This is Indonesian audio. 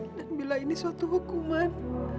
dan bila ini suatu hukuman